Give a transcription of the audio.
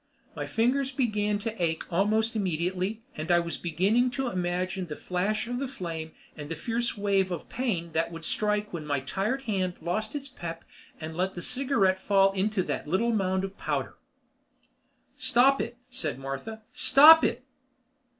My fingers began to ache almost immediately, and I was beginning to imagine the flash of flame and the fierce wave of pain that would strike when my tired hand lost its pep and let the cigarette fall into that little mound of powder. "Stop it," said Martha. "Stop it!"